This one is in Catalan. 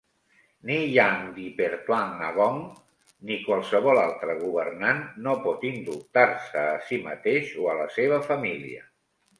Ni Yang di-Pertuan Agong ni qualsevol altre governant no pot indultar-se a si mateix o a la seva família.